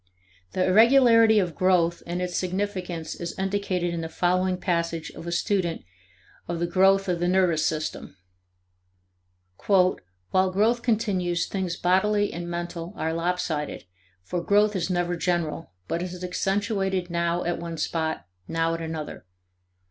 The irregularity of growth and its significance is indicated in the following passage of a student of the growth of the nervous system. "While growth continues, things bodily and mental are lopsided, for growth is never general, but is accentuated now at one spot, now at another.